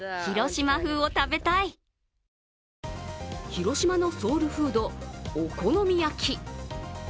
広島のソウルフード、お好み焼き。